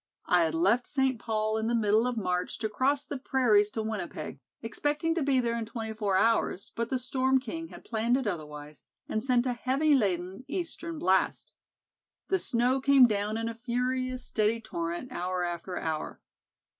I had left St. Paul in the middle of March to cross the prairies to Winnipeg, expecting to be there in twenty four hours, but the Storm King had planned it otherwise and sent a heavy laden eastern blast. The snow came down in a furious, steady torrent, hour after hour.